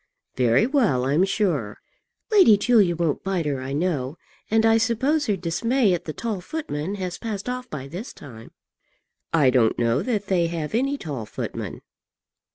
"Very well, I'm sure." "Lady Julia won't bite her, I know, and I suppose her dismay at the tall footmen has passed off by this time." "I don't know that they have any tall footmen."